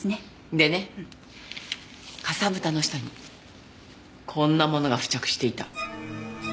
でねかさぶたの下にこんなものが付着していた。